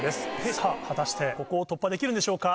さぁ果たしてここを突破できるんでしょうか。